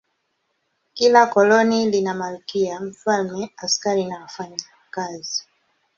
Kila koloni lina malkia, mfalme, askari na wafanyakazi.